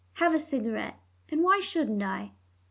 Have a cigarette, and why shouldn't I?"